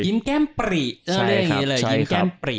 ยิ้มแก้มปรีใช่ครับ